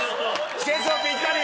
季節もぴったり！